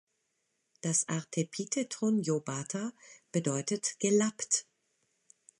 Das Artepitheton "lobata" bedeutet gelappt.